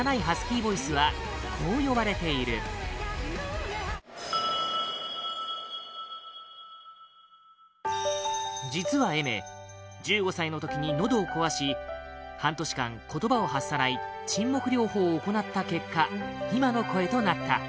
ハスキーボイスはこう呼ばれている実は Ａｉｍｅｒ１５ 歳の時にのどを壊し半年間、言葉を発さない沈黙療法を行った結果今の声となった